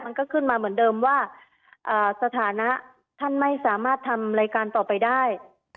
มันก็ขึ้นมาเหมือนเดิมว่าสถานะท่านไม่สามารถทำรายการต่อไปได้